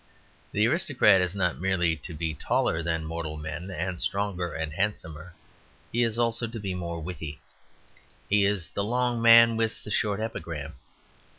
The aristocrat is not merely to be taller than mortal men and stronger and handsomer, he is also to be more witty. He is the long man with the short epigram.